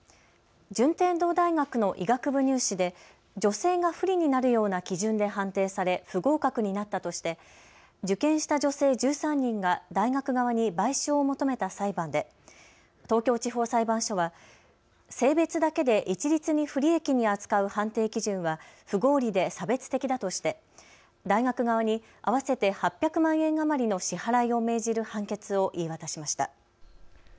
順天堂大学の医学部入試で女性が不利になるような基準で判定され不合格になったとして受験した女性１３人が大学側に賠償を求めた裁判で東京地方裁判所は性別だけで一律に不利益に扱う判定基準は不合理で差別的だとして大学側に合わせて８００万円余りの支払いを命じる判決を言い渡しました。